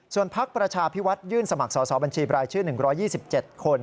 พักประชาพิวัฒนยื่นสมัครสอบบัญชีบรายชื่อ๑๒๗คน